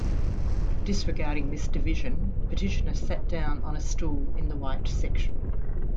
Disregarding this division, petitioner sat down on a stool in the white section.